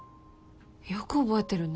よく覚えてるね。